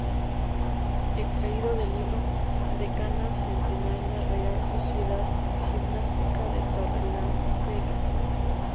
Extraído del Libro "Decana Centenaria Real Sociedad Gimnástica de Torrelavega".